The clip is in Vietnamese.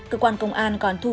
chỉ hiện than promo